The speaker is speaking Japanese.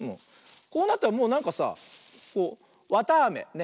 こうなったらもうなんかさこうわたあめ。ね。